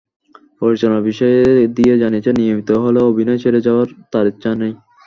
পরিচালনা বিষয়ে দিয়া জানিয়েছেন, নিয়মিত হলেও অভিনয় ছেড়ে যাওয়ার তাঁর ইচ্ছা নেই।